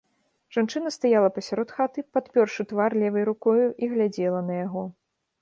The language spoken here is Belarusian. Жанчына стаяла пасярод хаты, падпёршы твар левай рукою, і глядзела на яго.